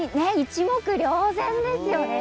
一目瞭然ですよね。